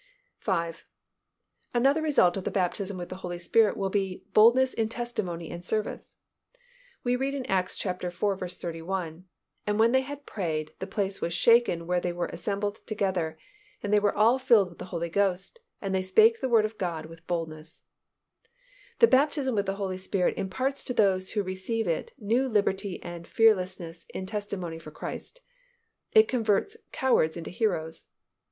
5. Another result of the baptism with the Holy Spirit will be boldness in testimony and service. We read in Acts iv. 31, "And when they had prayed, the place was shaken where they were assembled together; and they were all filled with the Holy Ghost, and they spake the word of God with boldness." The baptism with the Holy Spirit imparts to those who receive it new liberty and fearlessness in testimony for Christ. It converts cowards into heroes.